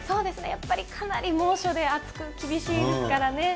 やっぱりかなり猛暑で暑く厳しいですからね。